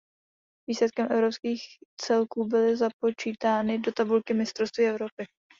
Výsledky evropských celků byly započítány do tabulky Mistrovství Evropy.